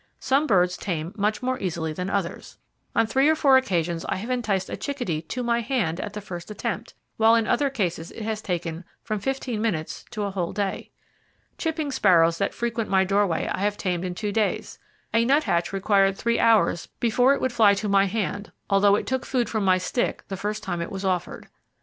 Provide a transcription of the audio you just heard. Some birds tame much more easily than others. On three or four occasions I have enticed a chickadee to my hand at the first attempt, while in other cases it has taken from fifteen minutes to a whole day. "Chipping sparrows that frequent my doorway I have tamed in two days. A nuthatch required three hours before it would fly to my hand, although it took food from my stick the first time it was offered.